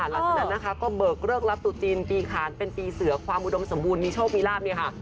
หลังจากนั้นนะคะก็เบิกเลิกรับตุจีนปีขานเป็นปีเสือความอุดมสมบูรณ์มีโชคมีลาบเนี่ยค่ะ